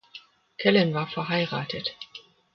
Callen war verheiratet.